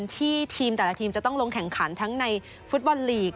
ที่ทีมแต่ละทีมจะต้องลงแข่งขันทั้งในฟุตบอลลีก